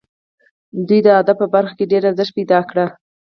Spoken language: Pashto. دوی د ادب په برخه کې ډېر ارزښت پیدا کړ.